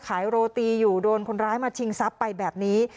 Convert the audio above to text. โรตีอยู่โดนคนร้ายมาชิงทรัพย์ไปแบบนี้